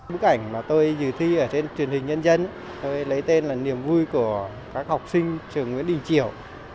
bức ảnh mà tôi dự thi ở trên truyền hình nhân dân tôi lấy tên là niềm vui của các học sinh trường nguyễn đình triều